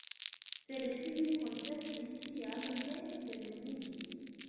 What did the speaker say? Sed tiu koncepto tiam ne plenumiĝis.